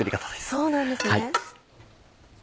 そうなんですね。